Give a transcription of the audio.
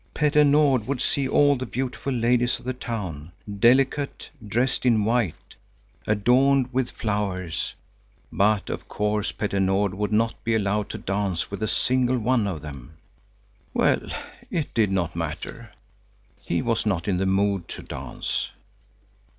Petter Nord would see all the beautiful ladies of the town, delicate, dressed in white, adorned with flowers. But of course Petter Nord would not be allowed to dance with a single one of them. Well, it did not matter. He was not in the mood to dance.